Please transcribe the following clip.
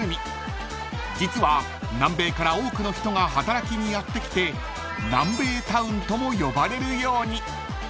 ［実は南米から多くの人が働きにやって来て南米タウンとも呼ばれるように］